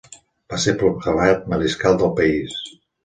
Va ser proclamat Mariscal del país.